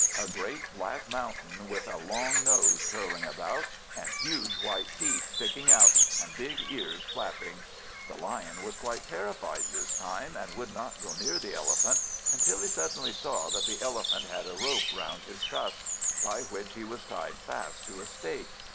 A great black mountain, with a long nose curling about, and huge white teeth sticking out, and big ears flapping. The Lion was quite terrified this time, and would not go near the Elephant, until he suddenly saw that the Elephant had a rope round his tusks, by which he was tied fast to a stake.